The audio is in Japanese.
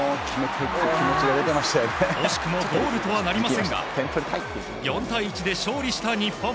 惜しくもゴールとはなりませんが４対１で勝利した日本。